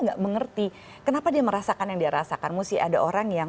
nggak mengerti kenapa dia merasakan yang dia rasakan mesti ada orang yang